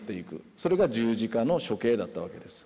それが十字架の処刑だったわけです。